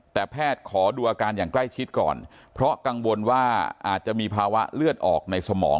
แต่แพทย์ขอดูอาการอย่างใกล้ชิดก่อนเพราะกังวลว่าอาจจะมีภาวะเลือดออกในสมอง